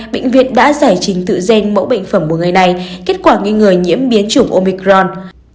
bệnh viện đã giải trình tự gen mẫu bệnh phẩm của người này kết quả nghi ngờ nhiễm biến chủng omicron